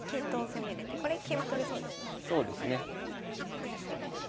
これは成功と。